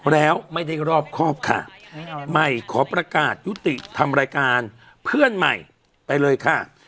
แล้วไม่ได้รอบครอบค่ะใหม่ขอประกาศยุติทำรายการเพื่อนใหม่ไปเลยค่ะ